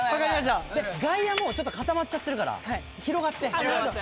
外野もちょっと固まっちゃってるから広がって。